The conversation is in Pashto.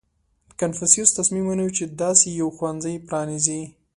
• کنفوسیوس تصمیم ونیو، چې داسې یو ښوونځی پرانېزي.